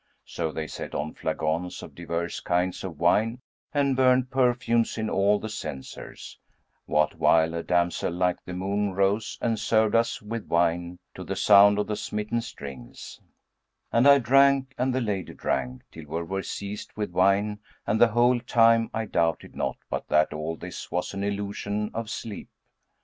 So they set on flagons of divers kinds of wine and burned perfumes in all the censers, what while a damsel like the moon rose and served us with wine to the sound of the smitten strings; and I drank, and the lady drank, till we were seized with wine and the whole time I doubted not but that all this was an illusion of sleep.